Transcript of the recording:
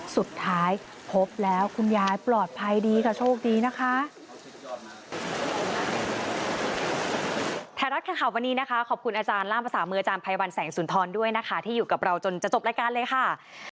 สุดท้ายพบแล้วคุณยายปลอดภัยดีค่ะโชคดีนะคะ